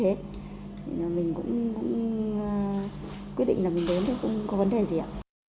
thì là mình cũng quyết định là mình đến thì không có vấn đề gì ạ